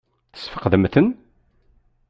Tesfeqdem-ten?